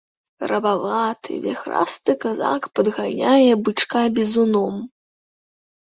Рабаваты, віхрасты казак падганяе бычка бізуном.